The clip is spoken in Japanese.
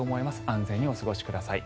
安全にお過ごしください。